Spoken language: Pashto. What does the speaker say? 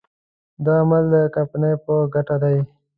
دا عمل د کمپنۍ په ګټه دی.